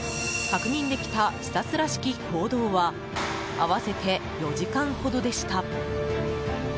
確認できた視察らしき行動は合わせて４時間ほどでした。